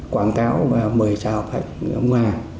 quảng tảo và mười trà học hạch ngoà